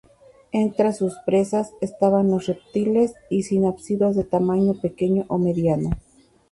Entra sus presas estaban los reptiles y sinápsidos de tamaño pequeño o mediano.